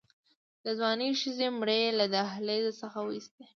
د ځوانې ښځې مړی يې له دهلېز څخه ووېسته.